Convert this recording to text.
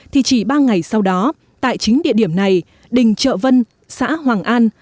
thì chỉ ba ngày sau đó tại chính địa điểm này đình trợ vân xã hoàng an